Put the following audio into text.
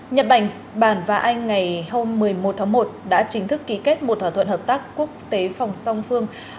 nhật bản và anh ngày hôm một mươi một tháng một đã chính thức ký kết một thỏa thuận hợp tác quốc tế phòng song phương